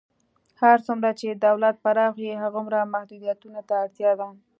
هر څومره چې دولت پراخ وي، هماغومره محدودیتونو ته اړتیا ده.